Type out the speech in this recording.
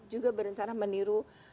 juga berencana meniru